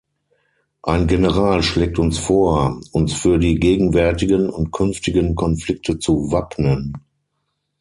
Ein General schlägt uns vor, uns für die gegenwärtigen und künftigen Konflikte zu wappnen.